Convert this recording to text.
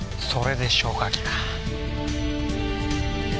それで消火器か。